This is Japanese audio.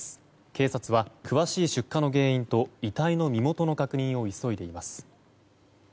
警察は詳しい出火の原因と遺体の身元の確認を急いでいます。